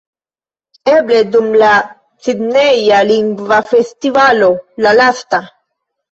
Eble dum la Sidneja Lingva Festivalo, la lasta